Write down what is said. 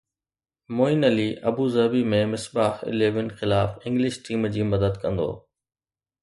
معين Ali Abu Dhabi ۾ Misbah eleven خلاف English team جي مدد ڪندو